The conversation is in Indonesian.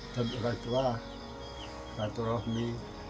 dan ulatuah ratu rohmi